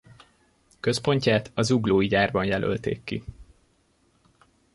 Központját a zuglói gyárban jelölték ki.